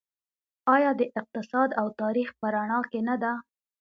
آیا د اقتصاد او تاریخ په رڼا کې نه ده؟